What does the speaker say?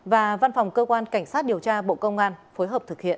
và văn phòng cơ quan cảnh sát điều tra bộ công an phối hợp thực hiện